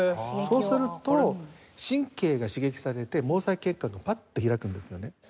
そうすると神経が刺激されて毛細血管がパッて開くんですよね。